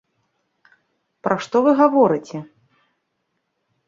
Пра што вы гаворыце?